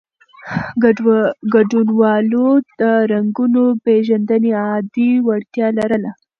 ګډونوالو د رنګونو پېژندنې عادي وړتیا لرله.